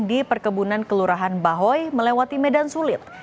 di perkebunan kelurahan bahoy melewati medan sulit